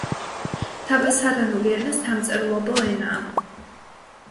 თაბასარანული ენა სამწერლობო ენაა.